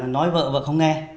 nói vợ vợ không nghe